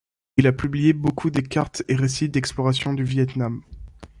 Il a publié beaucoup des cartes et récits d'exploration du Viêt-Nam.